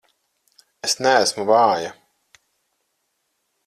Es neesmu vāja!